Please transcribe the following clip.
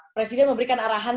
presiden memberikan arahan